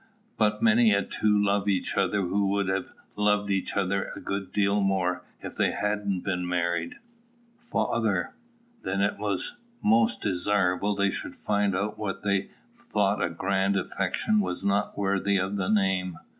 _ But many a two love each other who would have loved each other a good deal more if they hadn't been married. Father. Then it was most desirable they should find out that what they thought a grand affection was not worthy of the name.